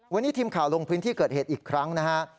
วันนี้ทีมข่าวลงพื้นที่เกิดเหตุอีกครั้งนะฮะ